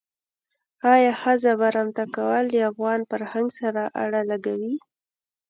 آیا ښځه برمته کول له افغان فرهنګ سره اړخ لګوي.